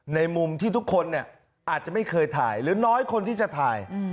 ในมุมที่ทุกคนอาจจะไม่เคยถ่ายหรือน้อยคนที่จะถ่าย